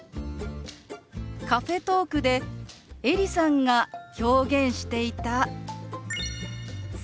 カフェトークでエリさんが表現していた「掃除」。